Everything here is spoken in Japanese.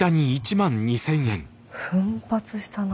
奮発したな。